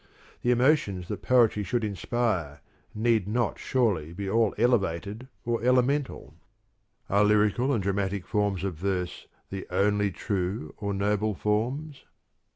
The emotions that poetry should inspire need not surely be all elevated or elemental. Are lyrical and dramatic forms of verse TWO CRITICS OF POETRY 233 the only true or noble forms?